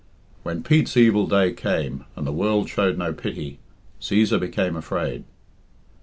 When Pete's evil day came and the world showed no pity, Cæsar became afraid.